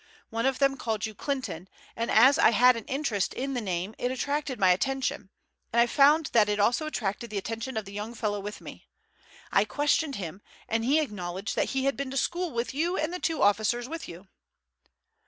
One of them called you Clinton, and as I had an interest in the name it attracted my attention, and I found that it also attracted the attention of the young fellow with me. I questioned him, and he acknowledged that he had been to school with you and the two officers with you."